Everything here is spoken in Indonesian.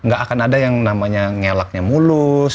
gak akan ada yang namanya ngelaknya mulus